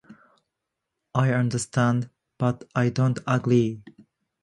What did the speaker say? I understand, but I don't agree.